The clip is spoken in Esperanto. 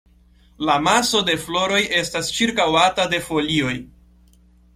La maso de floroj estas ĉirkaŭata de folioj.